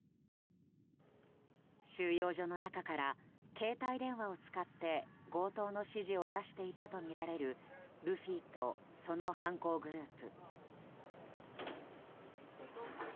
収容所の中から携帯電話を使って強盗の指示を出していたとみられるルフィと、その犯行グループ。